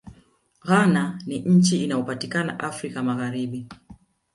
ghana ni nchi inayopatikana afrika magharibi